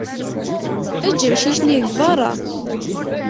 Eǧǧ amcic-nni deg berra.